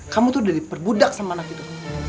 kamu tuh udah diperbudak sama anak itu